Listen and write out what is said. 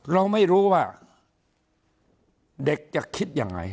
เราไม่รู้ว่าเด็กจะคิดยังไง